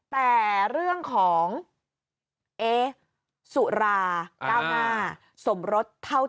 แต่เรื่องของเอสุรา